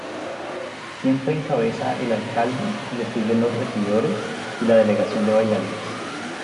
Siempre encabeza el alcalde y le siguen los regidores y la delegación de bailarines.